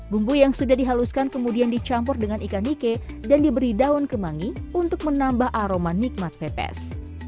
bumbu yang sudah dihaluskan kemudian dicampur dengan ikan nike dan diberi daun kemangi untuk menambah aroma nikmat pepes